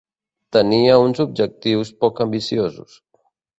Tenia uns objectius poc ambiciosos.